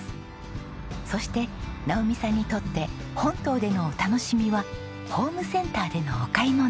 そして直己さんにとって本島でのお楽しみはホームセンターでのお買い物。